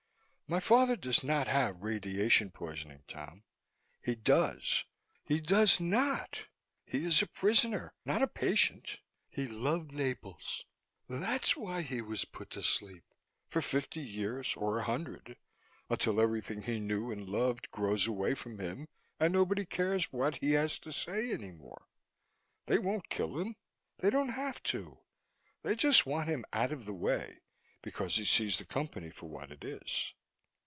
"My father does not have radiation poisoning, Tom." "He does." "He does not! He is a prisoner, not a patient. He loved Naples. That's why he was put to sleep for fifty years, or a hundred, until everything he knew and loved grows away from him and nobody cares what he has to say any more. They won't kill him they don't have to! They just want him out of the way, because he sees the Company for what it is."